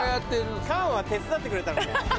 菅は手伝ってくれたのね。